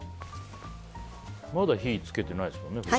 まだ火はつけてないですもんね。